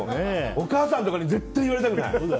お母さんとかに絶対言われたくない。